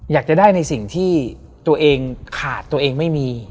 อยากจะได้ในสิ่งที่ตัวเองขาดตัวเองไม่มี